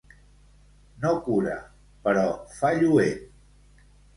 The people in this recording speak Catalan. No cura, però fa lluent.